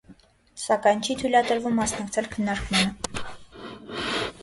Սակայն չի թույլատրվում մասնակցել քննարկմանը։